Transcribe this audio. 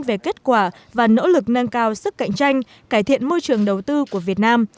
về kết quả và nỗ lực nâng cao sức cạnh tranh cải thiện môi trường đầu tư của việt nam